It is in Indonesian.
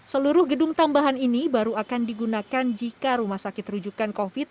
seluruh gedung tambahan ini baru akan digunakan jika rumah sakit rujukan covid sembilan belas